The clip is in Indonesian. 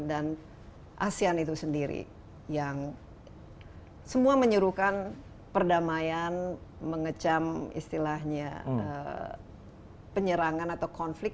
dan asean itu sendiri yang semua menyuruhkan perdamaian mengecam istilahnya penyerangan atau konflik